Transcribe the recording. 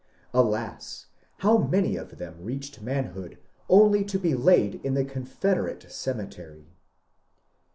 Alas, bow many of tbem reacbed man bood only to be laid in tbe Confederate cemetery